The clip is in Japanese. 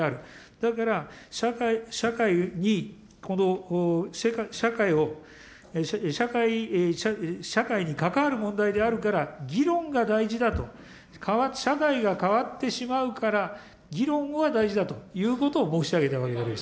だから社会を、社会に関わる問題であるから、議論が大事だと、社会が変わってしまうから、議論が大事だということを申し上げたわけです。